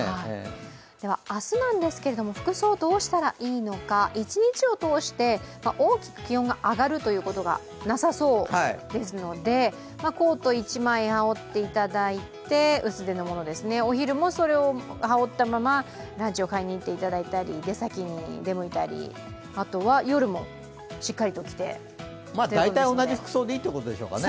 明日ですか服装どうしたらいいか一日を通して、大きく気温が上がるということがなさそうですので薄手のコートを１枚羽織っていただいて、お昼もそれを羽織ったままランチを買いに行っていただいたり出先に出向いたり、あとは夜もしっかりと着て出るんですよね。